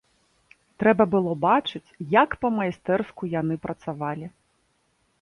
Трэба было бачыць, як па-майстэрску яны працавалі!